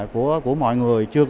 của mọi người